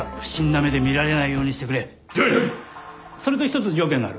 それと１つ条件がある。